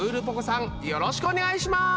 さんよろしくお願いします！